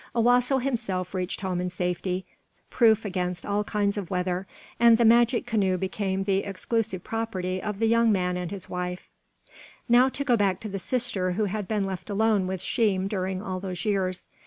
Owasso himself reached home in safety, proof against all kinds of weather, and the magic canoe became the exclusive property of the young man and his wife. Now to go back to the sister who had been left alone with Sheem during all these years.